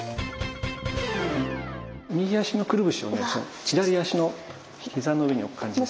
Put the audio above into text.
右足のくるぶしを左足の膝の上に置く感じで。